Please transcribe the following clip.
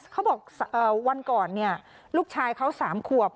เขาบอกวันก่อนลูกชายเขา๓ขวบ